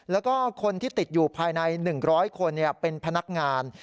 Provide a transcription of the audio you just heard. แล้วก็คนที่ติดอยู่ภายใน๑๐๐คนเป็นพนักงาน